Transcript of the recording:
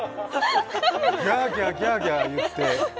ギャーギャーギャーギャー言って。